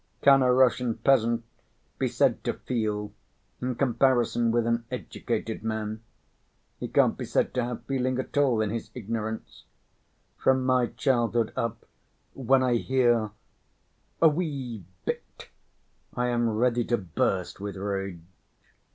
Can a Russian peasant be said to feel, in comparison with an educated man? He can't be said to have feeling at all, in his ignorance. From my childhood up when I hear 'a wee bit,' I am ready to burst with rage.